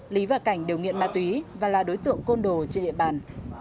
lý và cảnh đều nghiện ma túy và là đối tượng côn đồ trên địa bàn